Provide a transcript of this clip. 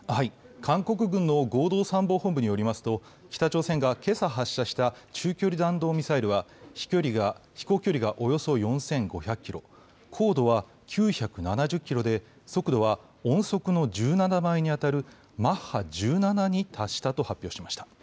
韓国軍の合同参謀本部によりますと、北朝鮮がけさ発射した中距離弾道ミサイルは、飛行距離がおよそ４５００キロ、高度は９７０キロで、速度は音速の１７倍に当たるマッハ１７に達したと発表しました。